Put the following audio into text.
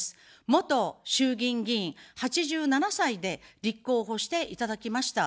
元衆議院議員、８７歳で立候補していただきました。